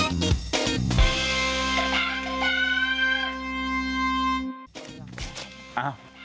ก็ได้